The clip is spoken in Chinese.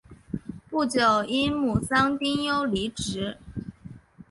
不久因母丧丁忧离职。